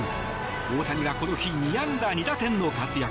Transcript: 大谷は、この日２安打２打点の活躍。